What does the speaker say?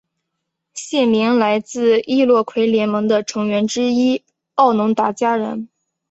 县名来自易洛魁联盟的成员之一奥农达加人。